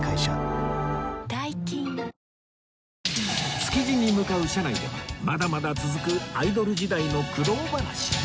築地に向かう車内ではまだまだ続くアイドル時代の苦労話